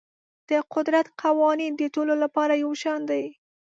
د قدرت قوانین د ټولو لپاره یو شان دي.